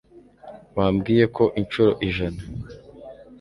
wambwiye ko inshuro ijana